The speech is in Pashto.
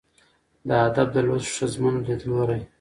'د ادب د لوست ښځمن ليدلورى